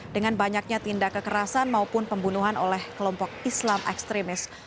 dengan banyaknya tindak kekerasan maupun pembunuhan oleh kelompok islam ekstremis